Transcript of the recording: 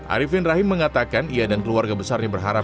arifin rahim mengatakan ia dan keluarga besarnya berharap